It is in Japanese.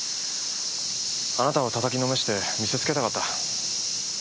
あなたを叩きのめして見せつけたかった。